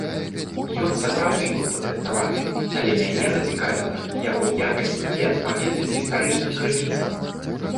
Ён сапраўды быў падрыхтаваны, але мяне зацікавіла яго якасць і адпаведнасць гістарычным крыніцам.